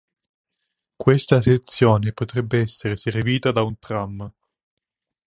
Questa sezione potrebbe essere servita da un tram.